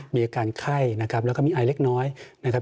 มีอาการไข้นะครับแล้วก็มีไอเล็กน้อยนะครับ